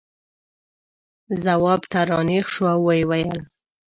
ځواب ته را نېغ شو او یې وویل.